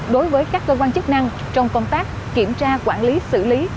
đối với các cơ quan chức năng trong công tác kiểm tra quản lý xử lý